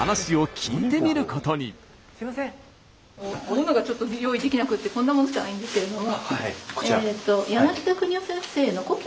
ものがちょっと用意できなくてこんなものしかないんですけれども。